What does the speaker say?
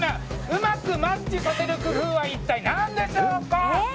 うまくマッチさせる工夫は一体なんでしょうか。